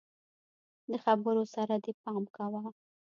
د خبرو سره دي پام کوه!